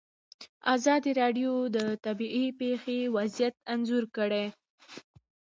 ازادي راډیو د طبیعي پېښې وضعیت انځور کړی.